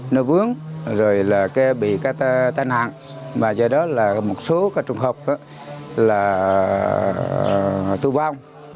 nó vướng rồi là bị cái tai nạn và do đó là một số trùng hợp là tù vong